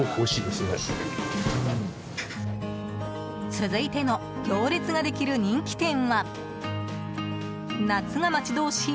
続いての行列ができる人気店は夏が待ち遠しい